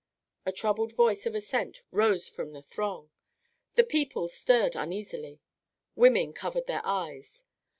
A troubled voice of assent rose from the throng. The people stirred uneasily. Women covered their eyes.